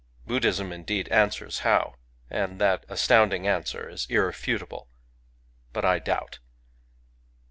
••. Buddhism indeed answers how, and that astounding answer is irrefutable, — but I doubt.